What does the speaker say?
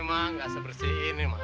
ma ga sebersihin nih maji